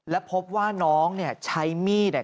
และพบว่าน้องใช้มีด